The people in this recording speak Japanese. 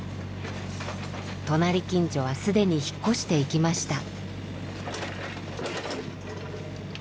隣近所は既に引っ越していきました。